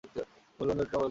মূল মন্দিরটি নবরত্ন মন্দির।